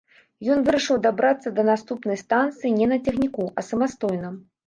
Ён вырашыў дабрацца да наступнай станцыі не на цягніку, а самастойна.